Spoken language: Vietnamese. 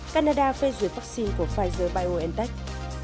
canada phê duyệt vaccine của pfizer biontech